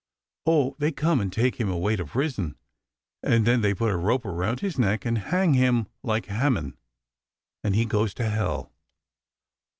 " Oh, they come and take him away to prison. And then they put a rope round his neck and hang him like Haman, and he goes to hell."